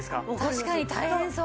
確かに大変そう。